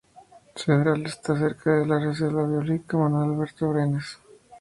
Cedral está cerca de la Reserva Biológica Manuel Alberto Brenes.